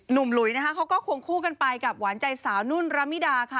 หลุยนะคะเขาก็ควงคู่กันไปกับหวานใจสาวนุ่นระมิดาค่ะ